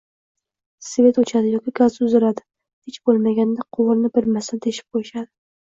Svet oʻchadi yoki gaz uziladi, hech boʻlmaganda quvurni “bilmasdan” teshib qoʻyishadi.